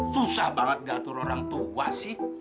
susah banget diatur orang tua sih